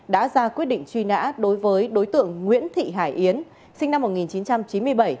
đã ra quyết định truy nã đối với đối tượng nguyễn thị hải yến sinh năm một nghìn chín trăm chín mươi bảy